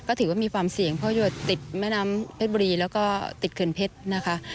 ก็ถือว่ามีความเสี่ยงเพราะอยู่ติดแม่น้ำเพชรบุรีแล้วก็ติดเขื่อนเพชรนะคะ